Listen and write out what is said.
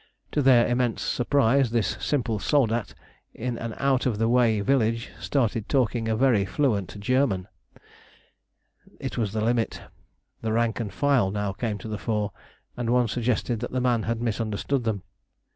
To their immense surprise this "simple soldat" in an out of the way village started talking a very fluent German. It was the limit. The rank and file now came to the fore, and one suggested that the man had misunderstood them.